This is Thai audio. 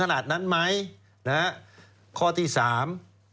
ขนาดนั้นอะนะฮะคติธิ์สาม